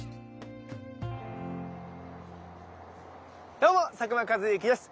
どうも佐久間一行です。